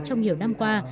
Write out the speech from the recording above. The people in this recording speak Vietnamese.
trong nhiều năm qua